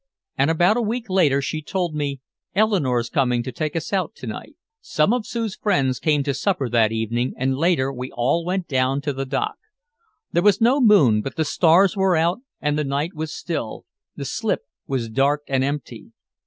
And about a week later she told me, "Eleanore's coming to take us out to night." Some of Sue's friends came to supper that evening and later we all went down to the dock. There was no moon but the stars were out and the night was still, the slip was dark and empty.